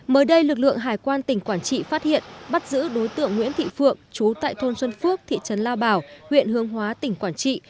mới đây lực lượng hải quan tỉnh quảng trị phát hiện bắt giữ đối tượng nguyễn thị phượng chú tại thôn xuân phước thị trấn lao bảo huyện hương hóa tỉnh quảng trị